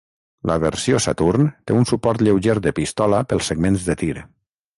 La versió Saturn té un suport lleuger de pistola pels segments de tir.